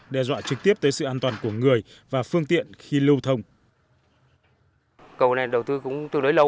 đe dọa trực tiếp tới sự an toàn của người và phương tiện khi lưu thông